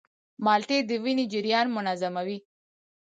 مالټې د وینې جریان منظموي.